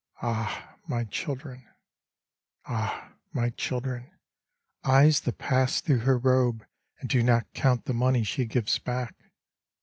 Ah I my children I Ah I my children ! eyes that pass through her robe And do not count the money she gives back.